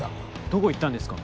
どこ行ったんですか？